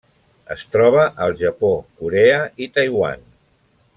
Es troba al Japó, Corea i Taiwan.